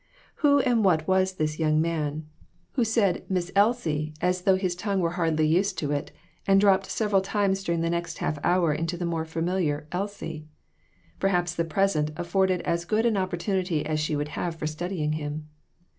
Who and what was this young man, who said "Miss Elsie" as CHARACTER STUDIES. 21$ though his tongue were hardly used to it, and dropped several times during the next half hour, into the more familiar "Elsie"? Perhaps the present afforded as good an opportunity as she would have for studying him.